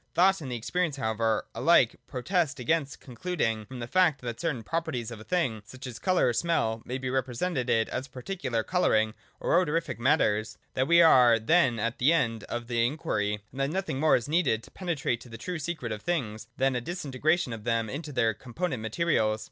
Thought and experience however alike protest against concluding from the fact that certain properties of a thing, such as colour, or smell, may be represented as particular colour ing or odorific matters, that we are then at the end of the inquiry, and that nothing more is needed to penetrate to the true secret of things than a disintegration of them into their component materials.